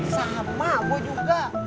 sama gue juga